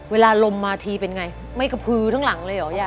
เวลาลมมาทีเป็นไงไม่กระพือทั้งหลังเลยเหรอยาย